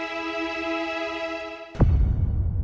lo sudah nunggu